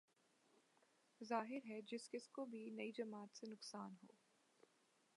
ظاہر ہے جس کس کو بھی نئی جماعت سے نقصان ہو